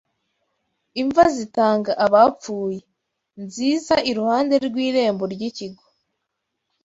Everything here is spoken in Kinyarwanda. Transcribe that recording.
Imva zitanga abapfuye: nziza iruhande rw'irembo ry'ikigo